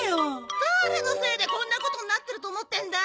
誰のせいでこんなことになってると思ってんだ！